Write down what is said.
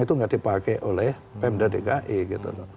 itu nggak dipakai oleh pmd dki gitu